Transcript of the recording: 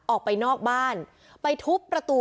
ออกไปนอกบ้านไปทุบประตู